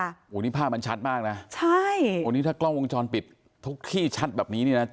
โอ้โหนี่ภาพมันชัดมากนะใช่โอ้นี่ถ้ากล้องวงจรปิดทุกที่ชัดแบบนี้เนี่ยนะ